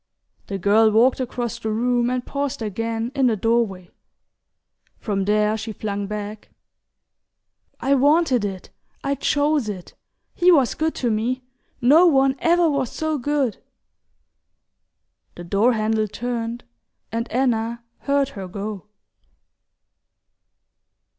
The girl walked across the room and paused again in the doorway. From there she flung back: "I wanted it I chose it. He was good to me no one ever was so good!" The door handle turned, and Anna heard her go.